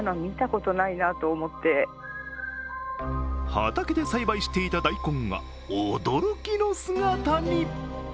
畑で栽培していた大根が驚きの姿に。